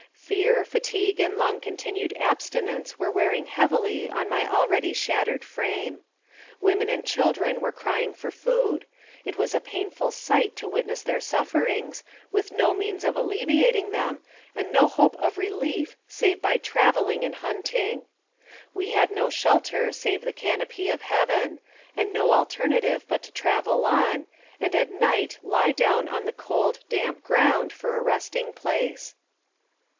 Fear, fatigue, and long continued abstinence were wearing heavily on my already shattered frame. Women and children were crying for food; it was a painful sight to witness their suiferings, with no means of alleviating them, and no hope of relief save by traveling and hunting. We had no shelter save the canopy of heaven, and no alternative but to travel on, and at night lie down on the cold, damp ground, for a resting place.